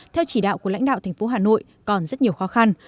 theo chỉ đạo của lãnh đạo thành phố hà nội còn rất nhiều khó khăn